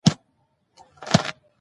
نسج تر څېړنې لاندې دی.